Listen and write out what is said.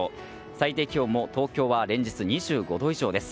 最低気温も東京は連日２５度以上です。